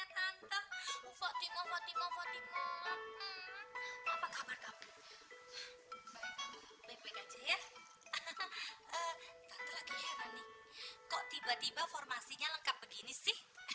kok tiba tiba formasinya lengkap begini sih